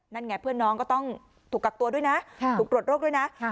นั่นไงเพื่อนน้องก็ต้องถูกกักตัวด้วยนะถูกตรวจโรคด้วยนะ